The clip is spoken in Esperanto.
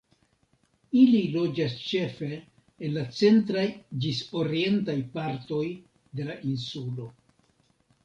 Ili loĝas ĉefe en la centraj ĝis orientaj partoj de la insulo.